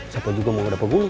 siapa juga mau dapat guru